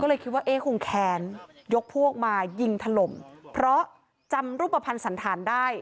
ก็เลยคิดว่าเอ๊ะคงแค้นยกพวกมายิงถล่มเพราะจำรูปภัณฑ์สันธารได้